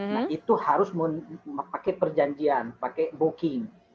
nah itu harus memakai perjanjian pakai booking